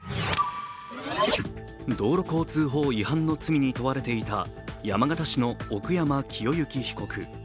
道路交通法違反の罪に問われていた山形市の奥山清行被告。